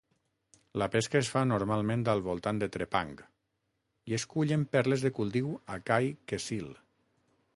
La pesca es fa normalment al voltant de Trepang, i es cullen perles de cultiu a Kai Kecil.